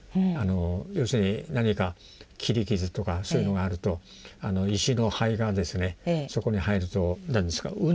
要するに何か切り傷とかそういうのがあると石の灰がそこに入るとうんでくるんですね。